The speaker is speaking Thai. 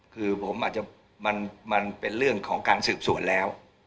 คือผมอาจจะมันเป็นเรื่องของการสืบสวนแล้ว